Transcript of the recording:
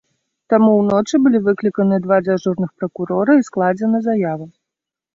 Там уночы былі выкліканы два дзяжурных пракурора і складзена заява.